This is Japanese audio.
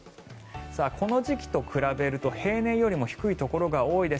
この時期と比べると平年よりも低いところが多いです。